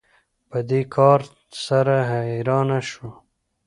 په دې کار سره حیرانه شو